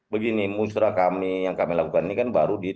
begini musra kami yang kami lakukan ini kan baru di tujuh provinsi